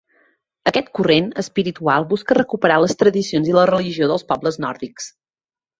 Aquest corrent espiritual busca recuperar les tradicions i la religió dels pobles nòrdics.